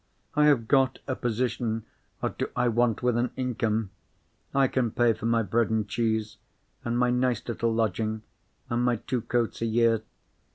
I have got a position! What do I want with an income? I can pay for my bread and cheese, and my nice little lodging, and my two coats a year.